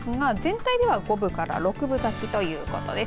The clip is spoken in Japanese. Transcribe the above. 全体では５分から６分咲きということです。